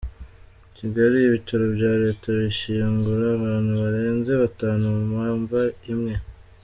Kigali: Ibitaro bya Leta bishyingura abantu barenze batanu mu mva imwe.